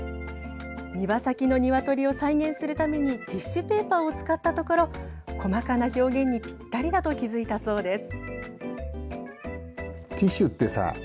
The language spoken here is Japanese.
庭先のニワトリを再現するためにティッシュペーパーを使ったところ細かな表現にぴったりだと気づいたそうです。